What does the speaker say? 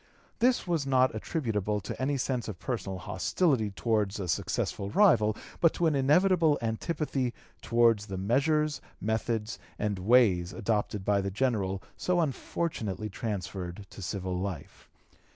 This was not attributable to any sense of personal hostility towards a successful rival, but to an inevitable antipathy towards the measures, methods, and ways adopted by the General so unfortunately transferred to civil life.